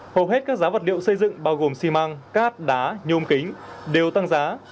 hầu hết các giá vật liệu xây dựng bao gồm xi măng cát đá nhôm kính đều tăng giá